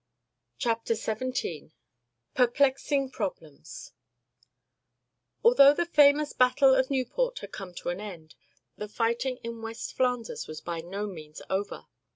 CHAPTER XVII PERPLEXING PROBLEMS Although the famous battle of Nieuport had come to an end, the fighting in West Flanders was by no means over.